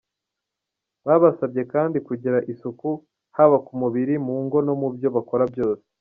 Babasabye kandi kugira isuku haba ku mubiri, mu ngo no mu byo bakora byose.